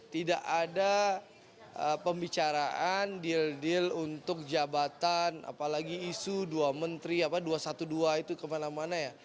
tidak ada pembicaraan deal deal untuk jabatan apalagi isu dua menteri dua ratus dua belas itu kemana mana ya